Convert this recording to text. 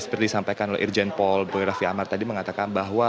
seperti disampaikan oleh irjen pol pak rafi amar tadi mengatakan bahwa